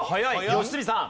良純さん。